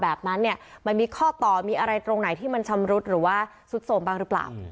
แบบนั้นเนี่ยมันมีข้อต่อมีอะไรตรงไหนที่มันชำรุดหรือว่าซุดโทรมบ้างหรือเปล่า